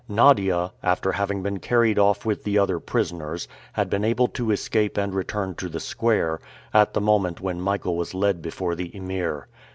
Nadia, after having been carried off with the other prisoners, had been able to escape and return to the square, at the moment when Michael was led before the Emir.